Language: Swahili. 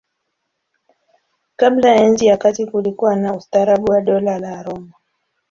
Kabla ya Enzi ya Kati kulikuwa na ustaarabu wa Dola la Roma.